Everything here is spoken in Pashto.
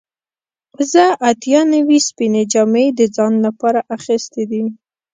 زه اتیا نوي سپینې جامې د ځان لپاره اخیستې دي.